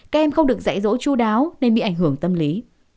các em không được dạy dỗ chú đáo nên bị ảnh hưởng tâm lý